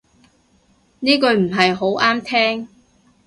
呢句唔係好啱聽